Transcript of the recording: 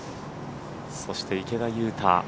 そして池田勇太